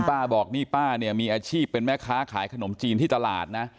ป้าบอกนี่ป้าเนี่ยมีอาชีพเป็นแม่ค้าขายขนมจีนที่ตลาดนะ